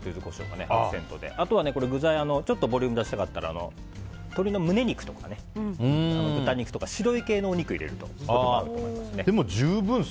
あと、具材にボリュームを出したかったら鶏の胸肉とか豚肉とか白い系のお肉を入れるといいです。